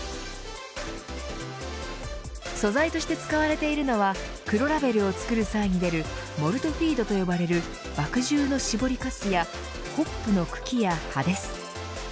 素材として使われているのは黒ラベルを作る際に出るモルトフィードと呼ばれる麦汁の搾りかすやホップの茎や葉です。